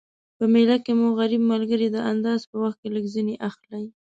په میله کی مو غریب ملګري د انداز په وخت کي لږ ځیني اخلٸ